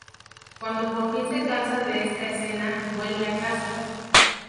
Cuando por fin se cansa de esta escena, vuelve a casa.